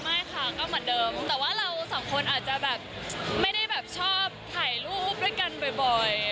ไม่ค่ะก็เหมือนเดิมแต่ว่าเราสองคนอาจจะแบบไม่ได้แบบชอบถ่ายรูปด้วยกันบ่อย